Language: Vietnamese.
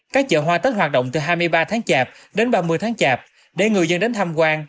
các chợ hoa tết hoạt động từ hai mươi ba tháng chạp đến ba mươi tháng chạp để người dân đến tham quan